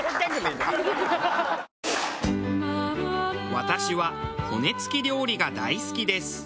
私は骨付き料理が大好きです。